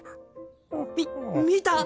みっ見た！？